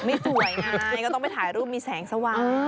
ไม่สวยไงก็ต้องไปถ่ายรูปมีแสงสว่าง